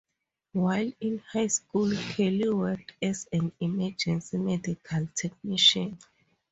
While in high school, Kelly worked as an emergency medical technician.